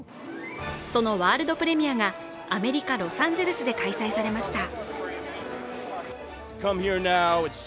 そのワールドプレミアがアメリカ・ロサンゼルスで開催されました。